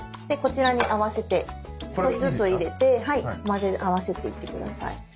でこちらに合わせて少しずつ入れて混ぜ合わせていってください。